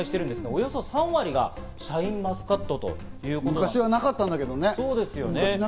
およそ３割がシャインマスカ昔はなかったんだけどね。